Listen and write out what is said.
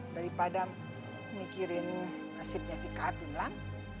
daripada mikirin nasibnya si kak dunlan